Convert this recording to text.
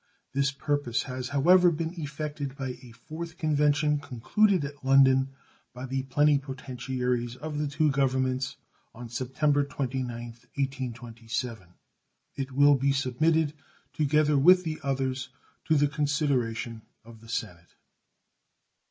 This purpose has, however, been effected by a 4th convention, concluded at London by the plenipotentiaries of the two Governments on September 29th, 1827. It will be submitted, together with the others, to the consideration of the Senate.